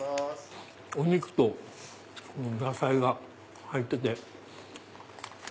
お肉と野菜が入ってて。